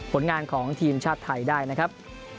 ผลงานของทีมชาติไทยได้นะครับ